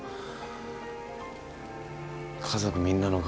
家族みんなの顔